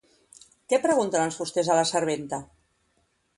Què pregunten els fusters a la serventa?